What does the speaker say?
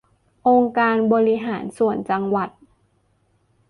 องค์การบริหารส่วนจังหวัด